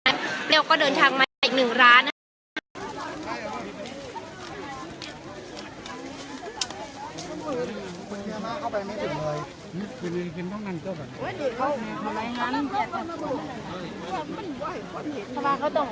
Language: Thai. เราก็เดินทางมาอีกหนึ่งร้านนะครับ